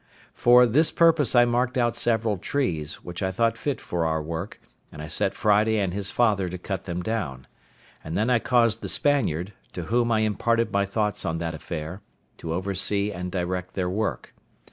For this purpose I marked out several trees, which I thought fit for our work, and I set Friday and his father to cut them down; and then I caused the Spaniard, to whom I imparted my thoughts on that affair, to oversee and direct their work.